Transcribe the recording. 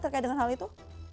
terkait dengan hal itu